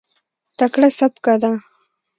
تکړه سبکه ده.